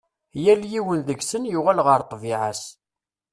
Yal yiwen deg-sen yuɣal ɣer ṭṭbiɛa-s.